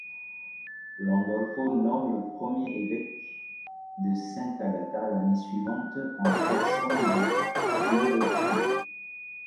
Landolfo nomme le premier évêque de Sant'Agata l'année suivante en la personne de Madelfrido.